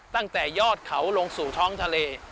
ตั้งแต่ยอดเขาลงสู่ท้องทะเล